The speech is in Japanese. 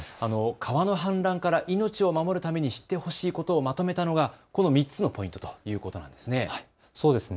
川の氾濫から命を守るために知ってほしいことをまとめたのがこの３つのポイントということですね。